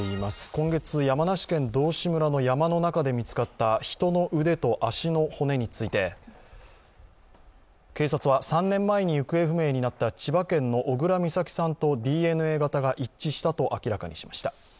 今月、山梨県道志村の山の中で見つかった人の腕と足の骨について、警察は３年前に行方不明になった千葉県の小倉美咲さんとＤＮＡ型が一致したと明らかにしました。